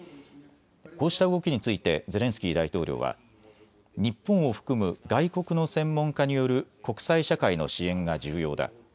こうした動きについてゼレンスキー大統領は日本を含む外国の専門家による国際社会の支援が重要だ。